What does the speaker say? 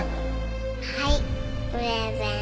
はいプレゼント。